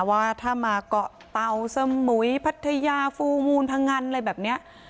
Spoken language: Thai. ว่าถ้ามาเกาะเตาสมุยพัทยาฟูมูลพงันอะไรแบบนี้